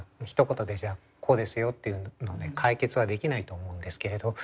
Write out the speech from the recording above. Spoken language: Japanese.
ひと言で「じゃあこうですよ」というのは解決はできないと思うんですけれど。